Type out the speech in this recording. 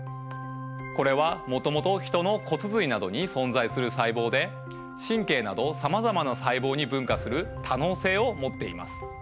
これはもともとヒトの骨髄などに存在する細胞で神経などさまざまな細胞に分化する多能性を持っています。